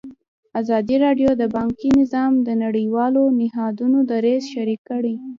ازادي راډیو د بانکي نظام د نړیوالو نهادونو دریځ شریک کړی.